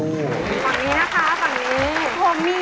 ฝั่งนี้นะคะฝั่งนี้